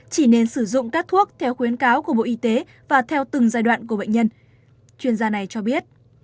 chỉ nên sử dụng các thuốc theo khuyến cáo của bộ y tế và theo từng giai đoạn của bệnh nhân chuyên gia này cho biết